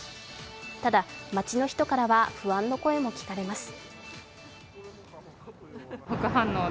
ただ、街の人からは不安の声も聞かれます。